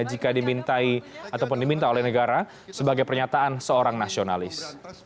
jika dimintai ataupun diminta oleh negara sebagai pernyataan seorang nasionalis